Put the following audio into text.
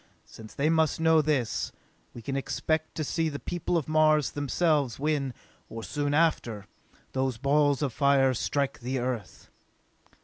Since they must know this, we can expect to see the people of Mars themselves when, or soon after, those balls of fire strike the Earth!"